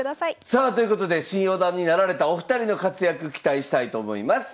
さあということで新四段になられたお二人の活躍期待したいと思います。